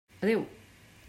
Adéu.